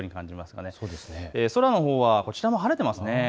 空のほうは、こちらも晴れてますね。